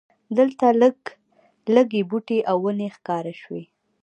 دلته لږ لرې بوټي او ونې ښکاره شوې.